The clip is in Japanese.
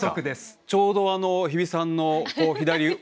ちょうど日比さんの左後ろに。